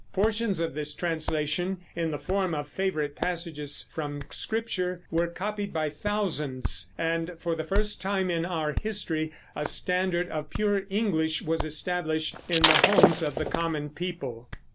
Portions of this translation, in the form of favorite passages from Scripture, were copied by thousands, and for the first time in our history a standard of pure English was established in the homes of the common people.